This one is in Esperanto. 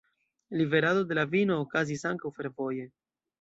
Liverado de la vino okazis ankaŭ fervoje.